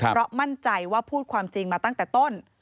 เพราะมั่นใจว่าพูดความจริงมาตั้งแต่ต้น